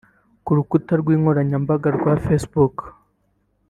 Ku rukuta rwe nkoranyambaga rwa facebook